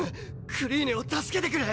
クリーネを助けてくれ！